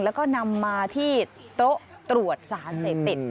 แล้วก็นำมาที่โต๊ะตรวจสารเสพติด